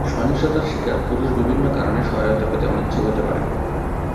সহিংসতার শিকার পুরুষ বিভিন্ন কারণে সহায়তা পেতে অনিচ্ছুক হতে পারেন।